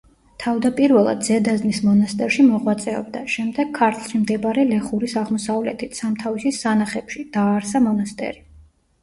თავდაპირველად ზედაზნის მონასტერში მოღვაწეობდა, შემდეგ ქართლში მდინარე ლეხურის აღმოსავლეთით, სამთავისის სანახებში, დააარსა მონასტერი.